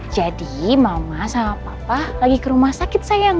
jadi mama sama papa lagi ke rumah sakit sayang